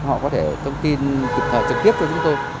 họ có thể thông tin kịp thời trực tiếp cho chúng tôi